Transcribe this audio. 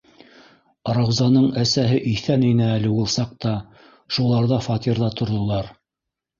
Раузаның әсәһе иҫән ине әле ул саҡта, шуларҙа фатирҙа торҙолар.